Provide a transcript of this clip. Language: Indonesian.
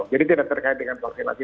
jadi tidak terkait dengan vaksinasi